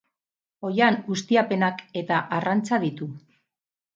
Oihan ustiapenak eta arrantza ditu.